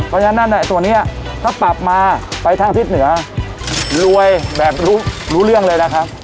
เพราะฉะนั้นนั่นตัวนี้ถ้าปรับมาไปทางทิศเหนือรวยแบบรู้เรื่องเลยนะครับ